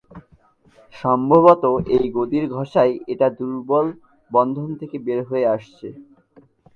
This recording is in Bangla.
সম্ভবত এই গদির ঘষায় এটা দুর্বল বন্ধন থেকে বের হয়ে আসছে।